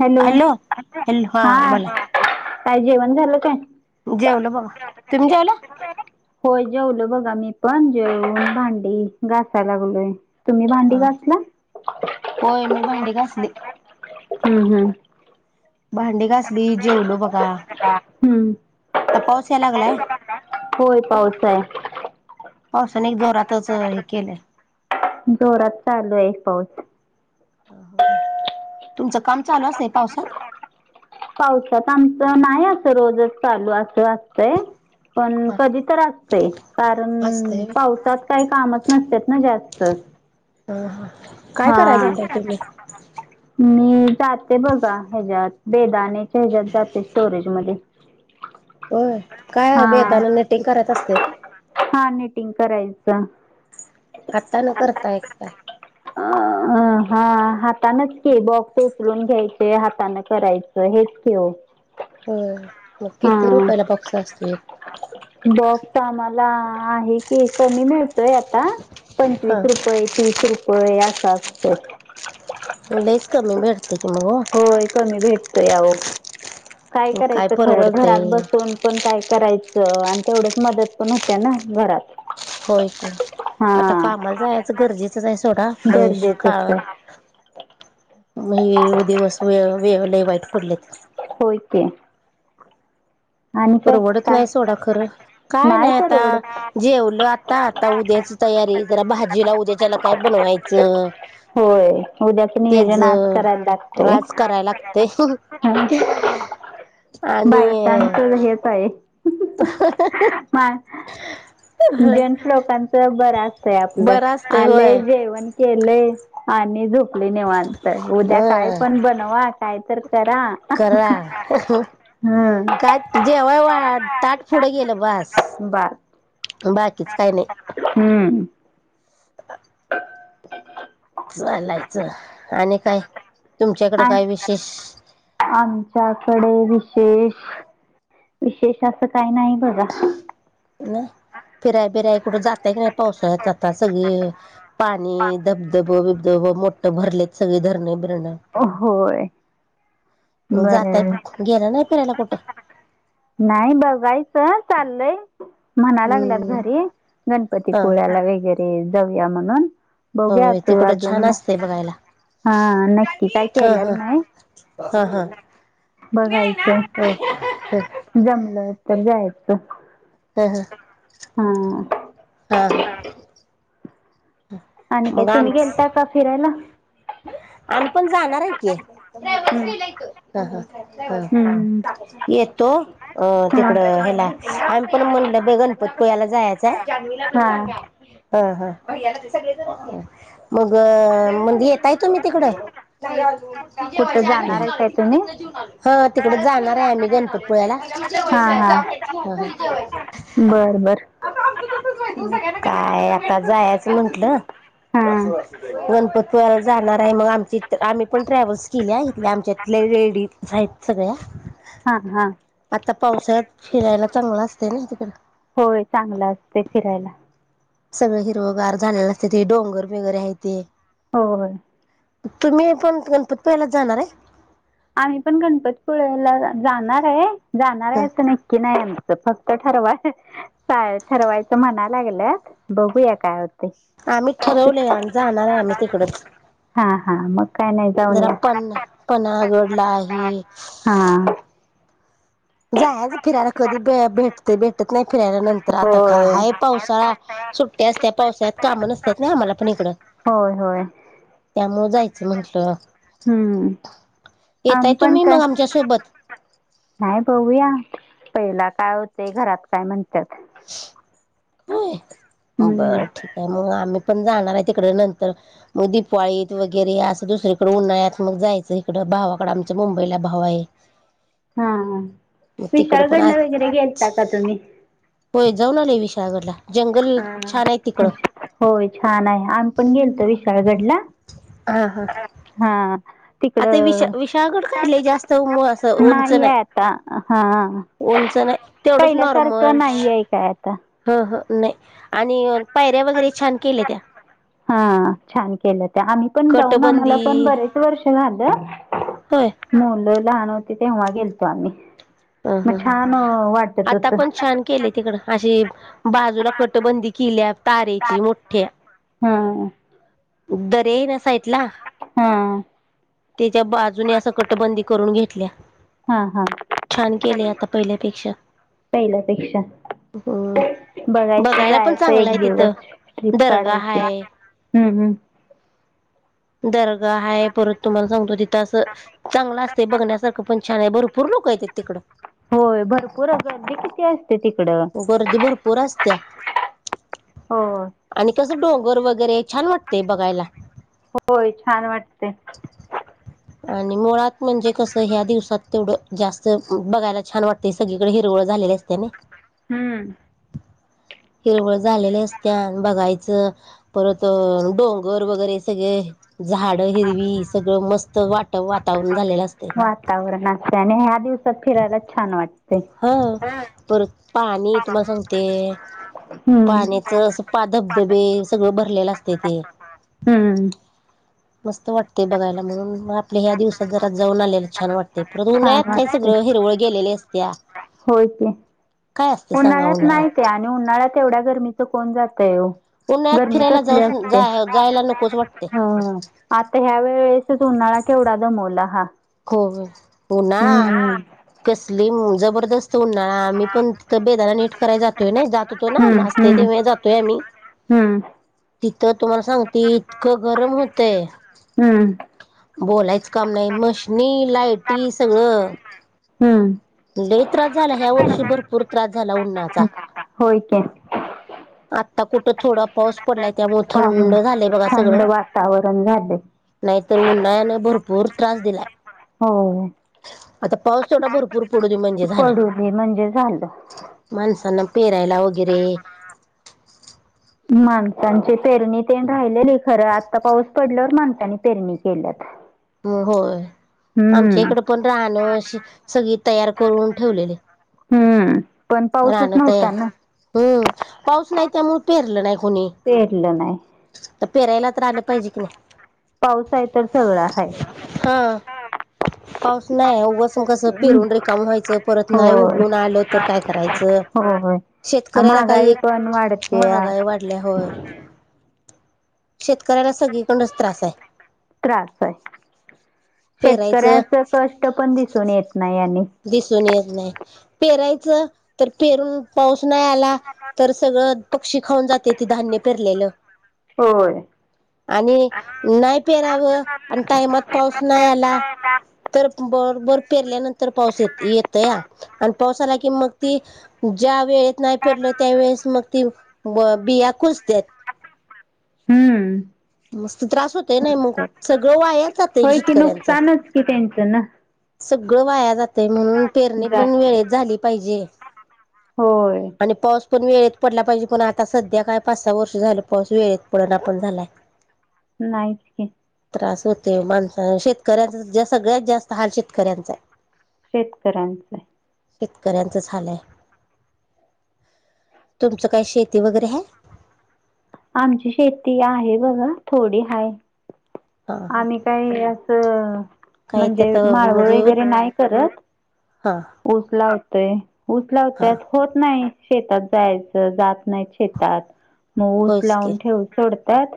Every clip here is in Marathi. हॅलो हॅलो -हा बोला काय जेवण झालं काय जेवलॊ बघा तुम्ही जेवला होय जेवलो बघा मी पण जेवून भांडी घासाय लागलोय तुमी भांडी ह घासला होय मी भांडी घासली हम् हम्म भांडी [inaudible] घासली जेवलो बघा आता का पाऊस याय लागलाय होय [inaudible] पावसय पावसाने जोरातच-अ हे केलंय जोरात चालूय एक पाऊस [unintelligible] ह हो तुमचं काम चालू असय पावसात हो [unintelligible] पावसात आमचं नाय असं रोजच चालू असं असतय हा अं-कधी तर असतंय कारणं असतंय -पावसात काही कामच नसत्यात ना जास्त ह हां [unintelligible] हा [unintelligible] मी जाते बघा हेज्यात बेदाण्याच्या हेज्यात जाते स्टोरेज मध्ये [unintelligible] हो काय हा वेदाना नेटिंग करायच असते का हा निटिंग करायचं हातान करताय काय हम्म [unintelligible] अ हा हाताानच की बॉक्स उचलून घ्यायचे हाताान करायचं हेच की ओ हो मग हा किती रुपयला बॉक्स असतोय एक बॉक्स आम्हाला-आ आहे कि कमी मिळतोय आता पंचवीस हा रुपय तीस रुपय असं असतय लईच कमी भेटत कि मग ओ होय कमी भेटतो याच काय मग करायचं खरं घरात परवडतंय बसून पण काय करायचं आणि तेवढच मदत पण होत्या ना घरात हो क हा आता कामाला जायचं गरजेचंच आहे सोडा भविष्य काळ गरजेचंच आहे म दिवस व वे वाईट पडले तर होयक परवडत काय नाही सोडा काय खरं काय नाही आता जेवलं आता आता उद्याच तयारी त्याला भाजी ला उद्या त्याला काय बनवायचं होय उद्याच तेच नियोजन आज करायला लागतय आज करायला लागतय हम्म आणि येत आहे ह जं्स लोकांच बर असतंय आपलं बरं असतय आले होय जेवण केले आणि झोपले निवांतय उद्या काय अं पण बनवा कायतर करा हम्म करा-काय जेवाय वा- ताट फुढं गेलं बास बास बाकीच काई नई हम्म [unintelligible] ह चालायचं आणि काय तुमच्याकड आ काय विशेष आमच्याकडे विशेष विशेष असं काही नाही बघा नाही फिराय बिराय कुठं जाताय की नाही पावसाळ्यात आता सगळी पाणी धबधब बिबधब मोठं भरलेत सगळे धरणें बिरणं अ हो. जाताय, गेला नाही फिरायला कुठं? नाही बघायचं चालय. म्हणा लागलात हम्म घरी, हा गणपतीपुळ्याला वगैरे जाऊया म्हणून. बघूया होय तं तिकडं अजून छान म, असते बघायला हा नक्की काय हा हा केलेलं नाही. हा, हा. बघायचं. [unintelligible] जमलं तर जायचं. हा हा. हा. हां हां. आणि काय मग तुम्ही आमच, गेलता का फिरायला आम्ही पण जाणार आहे की. ट्रॅव्हल्स हम्म. केल्या की, हा हा, हम्म. हा, येतो. अं हम्म तिकड हेला आम्ही पण म्हणलं की गणपतीपुळ्याला जायचंय. हा हा, हा. [unintelligible] मग म्हनजी येताय तुम्ही तिकड. कुठं जाणार आहे काय तुम्ही [unintelligible] हा तिकड जाणार आहे आम्ही गणपतपुळ्याला. हा हा बर, बर. [unintelligible] काय आता जायचं म्हंटलं. हा ते असंच असतं, गणपत [unintelligible] जाणार आहे मग आमची इ आम्ही पण ट्रॅव्हल्स केली इथल्या आमच्या इथल्या लेडीज आहेत सगळ्या. हां हां. आता पावसाळात फिरायला चांगलं असते ना तिकड. होय चांगलं असतय फिरायला. सगळं हिरवगार झालेलं असते ते डोंगर वगैरे आहे ते. हो. तुम्ही पण गणपतपुळालाच जाणार हाय. आम्ही पण गणपतीपुळे्याला जाणार आहे, जाणार आहे हं. असं नक्की नाही आमचं फक्त ठरवा, जा ठरवायचं म्हणा लागल्यात बघूया काय आम्ही ठरवलय आमी जाणार आहे आम्ही तिकडच. हा, हा मग काय नाही जाऊन जरा या पण पन्हाळगडला हे. हां. जायच फिरायला कधी भेटत भेटत नाही फिरायला नंतर आता का होय हाय पावसाळा. सुट्ट्या असत्या पावसात कामं न असत्यात ना आम्हाला पण इकडं. होय होय. त्यामुळे जायचं म्हंटलं, हम्म आम यताय पण तुम्ही काय मग आमच्या सोबत. नाही बघूया, पहिला काय होते घरात काय म्हणतात? होय, हम्म बरं ठीक आहे मग आम्ही पण जाणार आहे तिकडे नंतर. म दिपावाळी वगैरे असं दुसरीकडे उन्हाळ्यात मग जायचं इकडं भावाकडे आमच्या मुंबईला भाव हाय. हा, तिकडं पण विशाळगडला आज वगैरे गेलता का तुम्ही? होय जाऊन आलोय विशालगडला. हा, होय छान आहे आम् पण गेलतो विशाळगडला. हा हा. हा. आता विशा तिकडं, विशाळगड काय लय जास्त असं उंच नाहीय नाही आता हा. उंच नाही तेवढंच पहिल्यासारखं नॉर्मल नाही आहे काय आता? ह ह नाही, आणि पायऱ्या वगैरे छान केल्या त्या. हा छान केलं त्या आम्ही पण जाऊन आम्हाला पण बरेच वर्ष झालं हय मुलं लहान होती तेव्हा गेलतो आम्ही ह मग ह छान वाटत आता होत पण छान केले तिकड अशी बाजूला कटबंदी केल्या तारेची मोठ्या हां दर्या ये नसाईटला हां त्याच्या बाजूने असं कटबंदी करून घेतल्या हा हा छान केले आता पहिल्यापेक्षा पहिल्यापेक्षा हम्म बघायच बघायला पण जायचं चांगलं एक आहे तिथं दिवस ट्रिप दर्गा काढायची हाय हम् हम्म दर्गा आहेा पुर तुम्हाला सांगतो तिथं असं चांगलं असते बघण्यासारखं पण छान आहे भरपूर लोक य आहेतेत तिकं होय भरपूर अ गर्दी किती असते तिकडं गर्दी भरपूर असत्या हो आणि कसं डोंगर वगैरे छान वाटतय बघायला होय छान वाटते आणि मुळात म्हणजे कसं ह्या दिवसात तेवढं जास्त बघायला छान वाटत ते सगळीकडे हिरवळ झाले असते ना हम्म हिरवळ झालेल्या असत्या बघायचं परत डोंगर वगैरे सगळे झाड हिरवी सगळं मस्त वाट वातावरण झालेलं असते वातावरणाचे आणि ह्या दिवसात फिरायला छान वाटत हा पर पाणी तुम्हाला सांगते हम्म पाण्यात पा धबधबे सगळं भरलेलं असते ते हम्म. मस्त वाटतेय बघायला म्हणून म आपल्या ह्या दिवसात जरात जाऊन आलेला छान वाटते परत छान उनत काही वाटते. सगळं हिरवळ गेलेले असत्या होय ते काय असते सांगा उन्हाळ्यात नाहीत आहे आणि उन्हाळ्यात एवढ्या गर्मीचं कोण जातय उन्हाळ्यात गरमी फिरायला कसली जाऊ असते जा जायला नकोच वाटते. हा आता ह्या वेळेसच उन्हाळा केवढा दमवला हा ख उन्हाळा हम्म. कसली जबरदस्त उन्हाळा आम्ही पण ति बेदाला नीट कराय जातोय नाही जात होतो ना हम्म असत हम्म तेव्हा जातोय आम्ही हम्म तिथं तुम्हाला सांगते इतकं गरम होतय हम्म बोलायच काम नाही मशनी लायटी सगळं हम्म. ल त्रास झाला ह्या वर्षी भरपूर त्रास झाला उन्हाचा होय का आता कुठं थोडा पाऊस पडलाय त्यामु पाहून थंड झालंय बघा थंड सगळं वातावरण झाले नाहीतर उन्हाळ्यानं भरपूर त्रास दिलाय हो आता पाऊस थोडा भरपूर पडून म्हणजे झाला पडू दे म्हणजे झालं मनसन पेरायला हगैरे माणसांची पेरणी ते राहिलेली खरं आता पाऊस पडल्यावर माणसनी पेरणी केल्यात हम् होय आमच्या हम्म इकड पण राहणं अशी सगळी तयार करून ठेवलेली हम्म पण पाऊसच तयार नव्हता ना हम्म पाऊस नाही त्यामुळ पेरलं नाही कोणी पेरलं नाही तर पेरायला तर आले पाहिजे की नाही पाऊस आहे तर सगळा हा पाऊस नाही उगसून कसं पिरून रिकाम व्हायचं परत नाही उघडून आलं तर काय करायचं हो हो शेतकऱ्याला महागाई पण वाढते हो शेतकऱ्याला सगळीकडच त्रास आहे त्रास आहे पेरायचं शेतकऱ्याच कष्ट पण दिसून येत नाही आणि दिसून यच नाही पेरायचं तर पेरून पाऊस नाही आला तर सगळं पक्षी खाऊन जाते ते धान्य पेरलेलं होय आणि नाही पेरावं आणि टाइमात पाऊस नाही आला तर बरबर पेरल्यानंतर तर पाऊस येत येत या आणि पावसाला की मग ती ज्या वेळे नाही फिरलं त्या वेळेस मग ती बिया कुच देत हम्म मस्त त्रास होतय नाही मग सगळं वाया जातय होय की शेतकऱ्यांच नुकसानच की त्यांचं ना सगळं वाया जातय म्हणून पेरणी पण जाते वेळेत झाली पाहिजे होय आणि पाऊस पण वेळेत पडला पाहिजे पण आता सध्या काय पाच सहा वर्ष झालं पाऊस वेळेत पडना पण झालाय नाही त्रास होते माणसा शेतकऱ्यांचा सगळ्यात जास्त हार शेतकऱ्यांचा आहे शेतकऱ्यांचं आहे शेतकऱ्यांचं झालंय तुमचं काय शेती वगैरे आहे आमची शेती आहे बघा थोडी हाय हा हा आम्ही काही असं काय म्हणजे त्यात माळव म्हणजे वगैरे नाही करत हा उसला होतय उसला हा होतत होत नाही शेतात जायचं जात नाही ेतात मग ऊस होयच की लावून ठेव सोडतात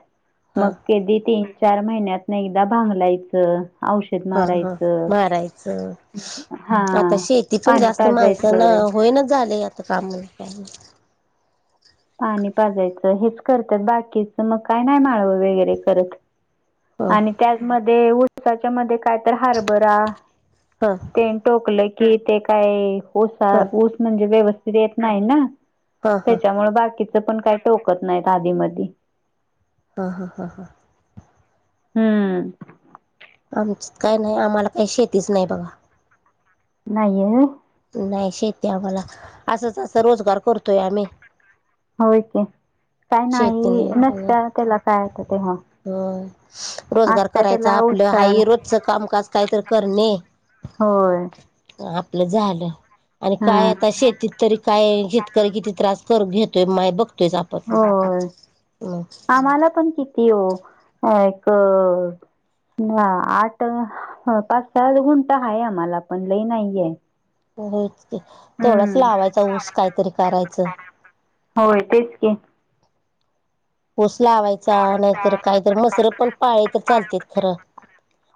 मग हा कधी तीन चार महिन्यात नाही एकदा भांगलायचं औषध हा हा मारायचं हा ती पण पाणी जास्त माणसांना पाजायचं होईनच झाले आता कामाला काही पाणी पाजायचं हेच करतात बाकीच मग काय नाही माळवं वगैरे करत ह आणि त्याचमध्ये उडसाच्या मध्ये काय तर हार्बर हा ते टोकलं कि ते काय ऊस ह ह ऊस म्हणजे व्यवस्थित येत नाही ना त्याच्यामुळे बाकीच पण काही टोकत नाहीत आधीमध्ये हा हा हा हां हम्म आमच काय नाही आम्हाला काही शेतीच नाही बघा नाहीये नाही शेती आम्हाला असंच असं रोजगार करतोय आम्ही होके काय नाही शेतीने नसत त्याला काय येतं ते हो हो रोजगार करायचा आपलं हा उत्साह रोजच कामकाज काहीतरी करणे होय आपलं झालं आणि काय हा आता शेतीत तरी काय शेतकरी किती त्रास कर घेतोय माय बघतोयच आपण हो आम्हाला पण किती एक ना आठ पाच स गुंता हा आम्हाला पण लई नाहीये होच ते तेथोडाच हम्म लावायचा ऊस काहीतरी करायचं होय तेच की पोचला हवाय नाही तर काहीतरी मसर पण पाळी तर चालते खरं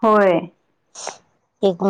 होय. एक म